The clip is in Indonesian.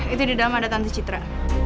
itu didalam ada tante citra